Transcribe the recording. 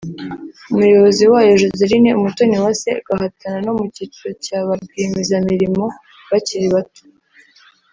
umuyobozi wayo Joselyne Umutoniwase agahatana no mu cyiciro cya ba rwiyemezamirimo bakiri bato